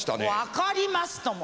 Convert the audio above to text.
分かりますとも。